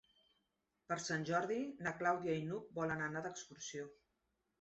Per Sant Jordi na Clàudia i n'Hug volen anar d'excursió.